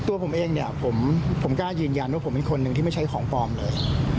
ตัวผมเองเนี่ยผมกล้ายืนยันว่าผมเป็นคนหนึ่งที่ไม่ใช่ของปลอมเลย